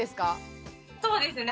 そうですね。